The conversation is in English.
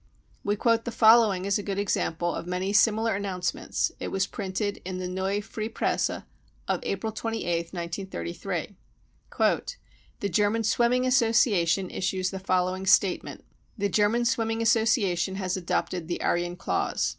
We quote the following as a good example of many similar announcements ; it was printed in the JVeue Freie Presse of April 28th, 1933 : <e The German Swimming Association issues the following statement ; c The German Swimming Association has adopted the Aryan clause.